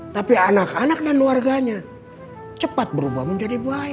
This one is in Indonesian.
tapi anak anak dan warganya cepat berubah menjadi baik